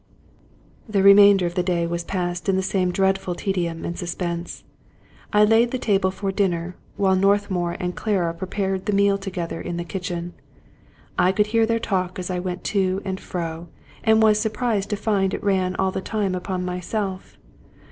'" The remainder of the day was passed in the same dreadful tedium and suspense. I laid the table for dinner, while Northmour and Clara prepared the meal together in the kitchen. I could hear their talk as I went to and fro, and was surprised to find it ran all the time upon myself.